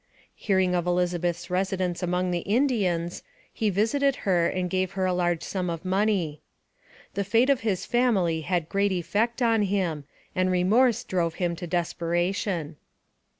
Hearing of Elizabeth's residence among the Indians, he visited her, and gave her a large sum of money. The fate of his family had great effect on him, and remorse drove him to desperation.